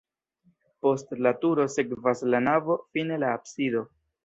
Post la turo sekvas la navo, fine la absido.